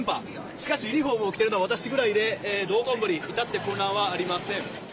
しかし、ユニフォームを着ているのは私ぐらいで、道頓堀、至って混乱はありません。